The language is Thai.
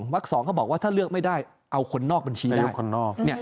วัก๒เขาบอกว่าถ้าเลือกไม่ได้เอาคนนอกบัญชีได้